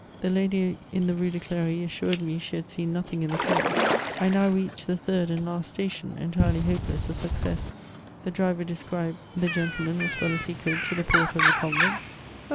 The lady in the Rue de Cl^ry assured me she had seen nothing in the coach. I now reached the tbird and last station, entirely hope less of success ; the driver described the gentleman as well as he could to the porter of the convent :'' Oh